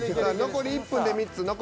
残り１分で３つ。